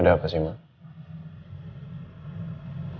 ada apa sih mak